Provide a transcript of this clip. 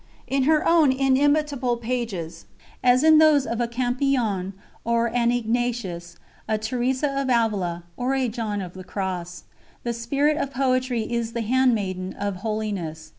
In her own inimitable pages, as in those of a Campion or an Ignatius, a Teresa of Avila, or a John of the Cross the Spirit of Poetry is the handmaiden of Holiness.